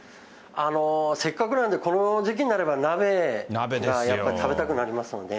せっかくなんで、この時期になれば、鍋がやっぱり食べたくなりますよね。